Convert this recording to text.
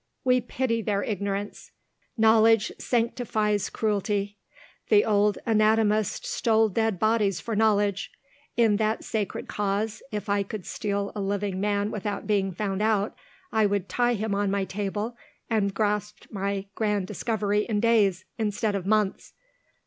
We pity their ignorance. Knowledge sanctifies cruelty. The old anatomist stole dead bodies for Knowledge. In that sacred cause, if I could steal a living man without being found out, I would tie him on my table, and grasp my grand discovery in days, instead of months.